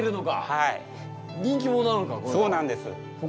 はい。